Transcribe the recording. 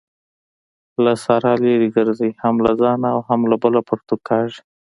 له سارا لري ګرځئ؛ هم له ځانه او هم بله پرتوګ کاږي.